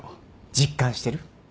実感してる？